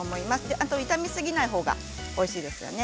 あと、炒めすぎない方がおいしいですよね。